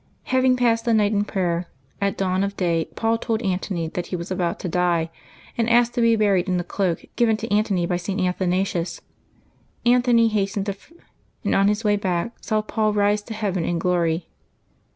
^^ Having passed the night in prayer, at dawn of day Paul told Antony that he was about to die, and asked to be buried in the cloak given to Antony by St. Athanasius. Antony hastened to fetch it, and on his way back saw Paul rise to heaven in glory.